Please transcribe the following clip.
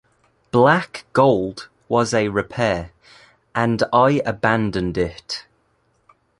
"Black Gold" was a repair, and I abandoned it.